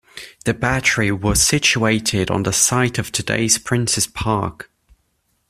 The battery was situated on the site of today's Princes Park.